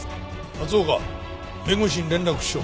松岡弁護士に連絡しろ。